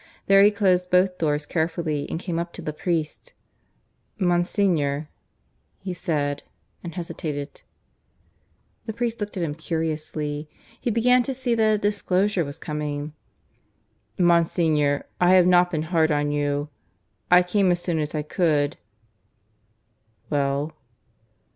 There he closed both doors carefully and came up to the priest. "Monsignor," he said, and hesitated. The priest looked at him curiously. He began to see that a disclosure was coming. "Monsignor, I have not been hard on you. ... I came as soon as I could. ..." "Well?"